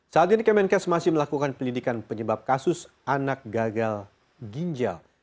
saat ini kemenkes masih melakukan penyelidikan penyebab kasus anak gagal ginjal